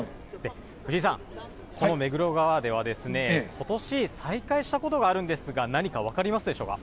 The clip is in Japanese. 藤井さん、この目黒川では、ことし再開したことがあるんですが、何か分かりますでしょうか。